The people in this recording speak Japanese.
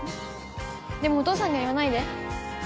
でもお父さんには言わないで。